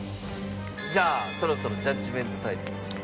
じゃあそろそろジャッジメントタイムです。